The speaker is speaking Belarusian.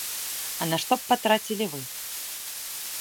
А на што б патрацілі вы?